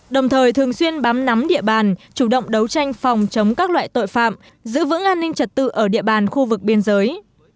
đồng thời thường xuyên bám nắm địa bàn chủ động đấu tranh phòng chống các loại tội phạm giữ vững an ninh trật tự ở địa bàn khu vực biên giới